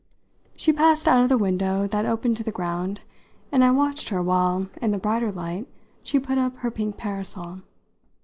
She passed out of the window that opened to the ground, and I watched her while, in the brighter light, she put up her pink parasol.